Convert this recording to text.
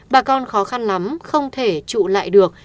bà con khó khăn lắm không thể trụ lại được